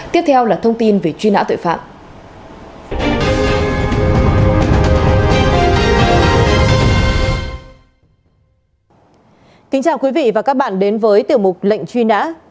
kính chào quý vị và các bạn đến với tiểu mục lệnh truy nã